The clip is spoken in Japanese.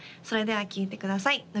それでは聴いてください